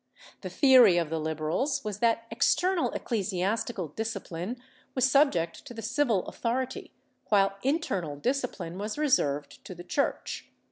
The theory of the Liberals was that external ecclesiastical discipline was subject to the civil authority, while internal discipline was reserved to the Church.